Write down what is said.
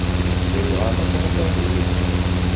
Ulayɣer ma thedreḍ yid-s.